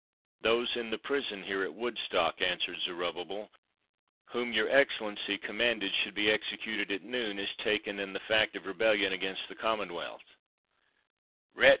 "Those in the prison here at Woodstock," answered Zerubbabel, "whom your Excellency commanded should be executed at noon, as taken in the fact of rebellion against the Commonwealth."